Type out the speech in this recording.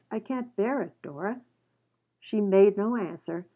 I can't bear it, Dora." She made no answer.